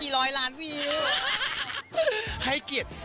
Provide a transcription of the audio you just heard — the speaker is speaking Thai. กี่ร้อยล้านวิว